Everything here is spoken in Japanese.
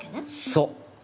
そう。